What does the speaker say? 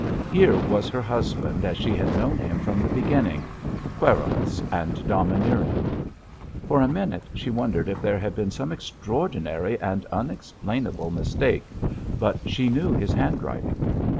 Here was her husband as she had known him from the beginning—querulous and domineering. For a minute she wondered if there had been some extraordinary and unexplainable mistake, but she knew his handwriting.